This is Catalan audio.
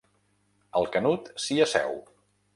El Canut s'hi asseu.